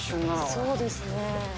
そうですね。